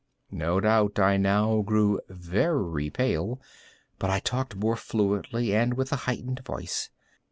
No doubt I now grew very pale;—but I talked more fluently, and with a heightened voice.